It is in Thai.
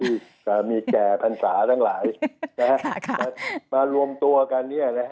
ที่มีแก่พรรษาทั้งหลายมารวมตัวกัน